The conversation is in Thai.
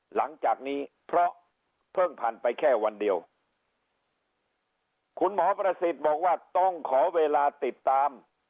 หลังจากนี้เพราะเพิ่งผ่านไปแค่วันเดียวคุณหมอประสิทธิ์บอกว่าต้องขอเวลาติดตาม